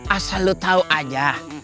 asal lo tau aja